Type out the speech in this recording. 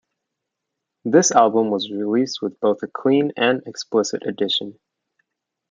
This album was released with both a "clean" and "explicit" edition.